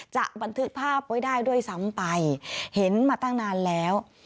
บันทึกภาพไว้ได้ด้วยซ้ำไปเห็นมาตั้งนานแล้ว